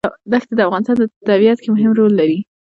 دښتې د افغانستان په طبیعت کې مهم رول لري.